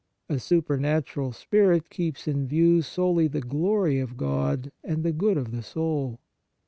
A super natural spirit keeps in view solely the glory of God and the good of the soul.